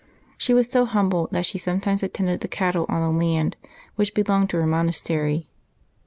She was so humble that she sometimes attended the cattle on the land which belonged to her monastery.